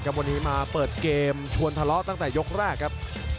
วันนี้มาเปิดเกมชวนทะเลาะตั้งแต่ยกแรกครับ